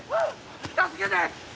助けて！